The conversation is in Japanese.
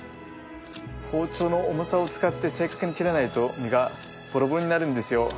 包丁の重さを使って正確に切らないと身がぼろぼろになるんですよ。